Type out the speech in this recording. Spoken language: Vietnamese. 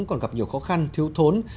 còn gặp nhiều khó khăn thiếu thốn